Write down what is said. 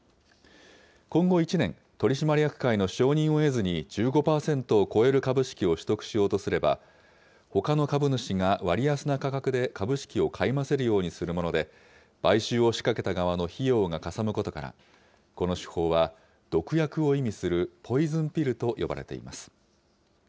今後１年、取締役会の承認を得ずに１５％を超える株式を取得しようとすれば、ほかの株主が割安な価格で株式を買い増せるようにするもので、買収を仕掛けた側の費用がかさむことから、この手法は毒薬を意味するポイズンピルと呼ばれています。